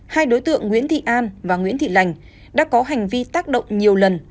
hai đối tượng nguyễn thị an và nguyễn thị lành đã có hành vi tác động nhiều lần